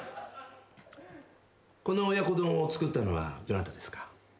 この親子丼を作ったのはどなたですか？